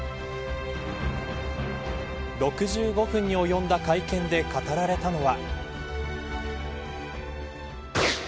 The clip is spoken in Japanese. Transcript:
６５分におよんだ会見で語られたのは。